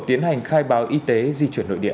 tiến hành khai báo y tế di chuyển nội địa